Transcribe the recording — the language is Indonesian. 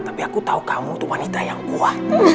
tapi aku tahu kamu itu wanita yang kuat